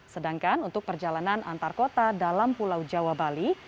sedangkan untuk perjalanan antarkota dalam pulau jawa bali